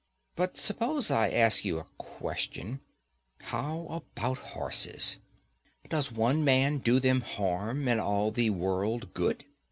But suppose I ask you a question: How about horses? Does one man do them harm and all the world good?